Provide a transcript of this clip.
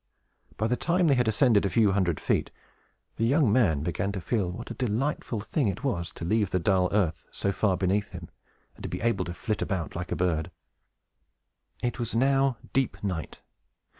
By the time they had ascended a few hundred feet, the young man began to feel what a delightful thing it was to leave the dull earth so far beneath him, and to be able to flit about like a bird. It was now deep night.